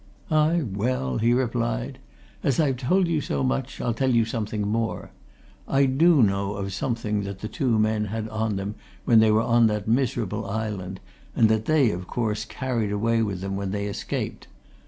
"Aye, well!" he replied. "As I've told you so much, I'll tell you something more. I do know of something that the two men had on them when they were on that miserable island and that they, of course, carried away with them when they escaped.